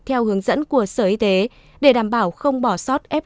theo hướng dẫn của sở y tế để đảm bảo không bỏ sót